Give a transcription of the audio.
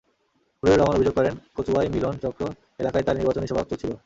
খলিলুর রহমান অভিযোগ করেন, কচুয়াই মিলন চক্র এলাকায় তাঁর নির্বাচনী সভা চলছিল।